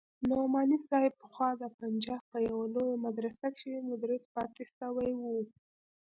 نعماني صاحب پخوا د پنجاب په يوه لويه مدرسه کښې مدرس پاته سوى و.